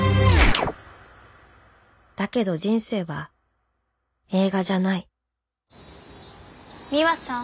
だけど人生は映画じゃないミワさん。